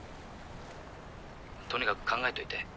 とにかく考えといて。